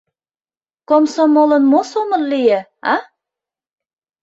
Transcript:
Комсомолын мо сомыл лие, а?